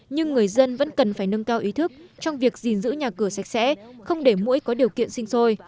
nhưng người dân vẫn cần phải nâng cao ý thức trong việc gìn giữ nhà cửa sạch sẽ không để mũi có điều kiện sinh sôi